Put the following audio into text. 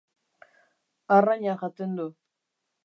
Arraina jaten du.